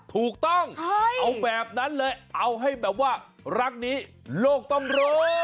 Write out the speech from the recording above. ถูกต้องเอาแบบนั้นเลยเอาให้แบบว่ารักนี้โลกต้องรู้